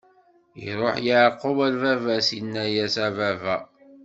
Iṛuḥ Yeɛqub ɣer baba-s, inna-yas: A baba!